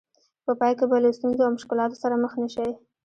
په پای کې به له ستونزو او مشکلاتو سره مخ نه شئ.